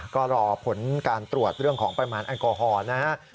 ก็รอผลการตรวจเรื่องของปริมาณแอลกอฮอล์นะฮะ